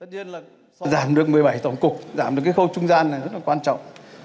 giảm được một mươi bảy tổng cục giảm được cái khâu trung gian này rất là quan trọng